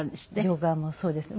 ヨガもそうですね。